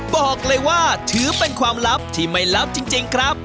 บอกเลยว่าถือเป็นความลับที่ไม่ลับจริงครับ